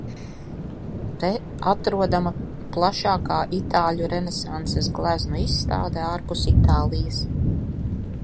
Te atrodama plašākā itāļu renesanses gleznu izstāde ārpus Itālijas.